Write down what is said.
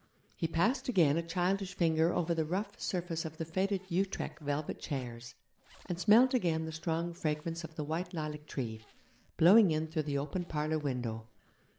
He passed again a childish finger over the rough surface of the faded Utrecht velvet chairs, and smelled again the strong fragrance of the white lilac tree, blowing in through the open parlour window.